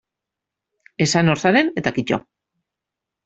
Esan nor zaren eta kito.